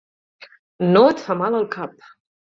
No et fa mal el cap.